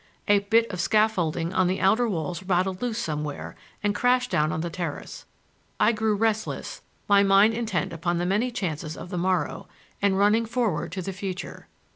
A bit of scaffolding on the outer walls rattled loose somewhere and crashed down on the terrace. I grew restless, my mind intent upon the many chances of the morrow, and running forward to the future.